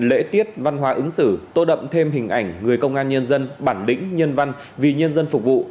lễ tiết văn hóa ứng xử tốt đậm thêm hình ảnh người công an nhân dân bản lĩnh nhân văn vì nhân dân phục vụ